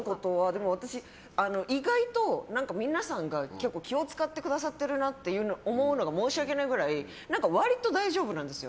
意外と、皆さんが気を使ってくださってるなと思うのが申し訳ないぐらい割と大丈夫なんですよ。